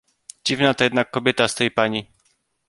"Dziwna to jednak kobieta z tej pani!..."